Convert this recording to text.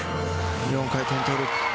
４回転トウループ。